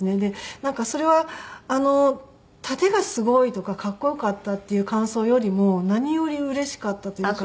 なんかそれは殺陣がすごいとかかっこよかったっていう感想よりも何よりうれしかったというか。